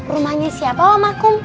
rumahnya siapa emakum